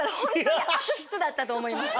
だったと思います。